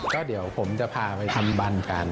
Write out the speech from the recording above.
ก็เดี๋ยวผมจะพาไปทำบันกัน